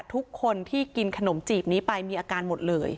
ทุกคนที่กินขนมจีบนี้ไปมีอาการหมดเลย